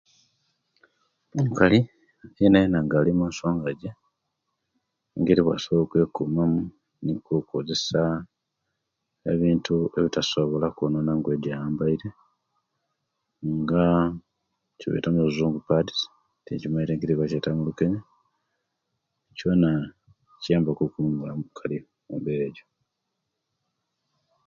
Omukali yenayena nga alimunsonga ejabakali engeri ewasobola okwekuma mu okozesa ebintu ebitasobola okwonona engoye ejayambaire nga ekibeta muluzungu pads timaite engeri ejibajeya mulukeye kyona kiyamba ku omukali mumbera ejo